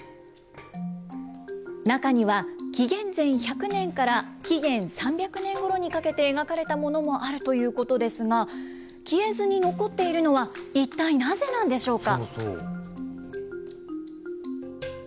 中には、紀元前１００年から紀元３００年ごろにかけて描かれたものもあるということですが、消えずに残っているのは、一体なぜなんでしょそうそう。